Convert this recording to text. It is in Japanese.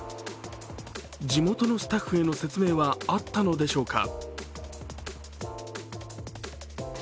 地元のスタッフへの説明はあったのでしょうか。